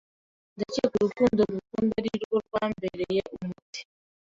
ndakeka urukundo ngukunda ari rwo rwambereye umuti